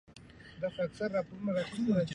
په پښو پورې يې ونښت.